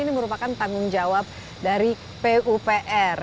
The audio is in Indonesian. ini merupakan tanggung jawab dari pupr